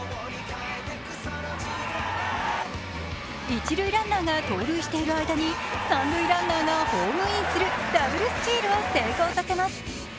一塁ランナーが盗塁している間に三塁ランナーがホームインするダブルスチールを成功させます。